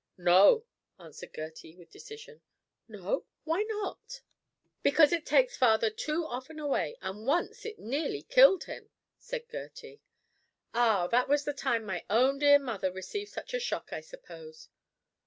"No," answered Gertie, with decision. "No; why not?" "Because it takes father too often away, and once it nearly killed him," said Gertie. "Ah, that was the time that my own dear mother received such a shock, I suppose?"